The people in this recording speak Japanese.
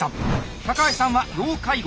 高橋さんは要介護３。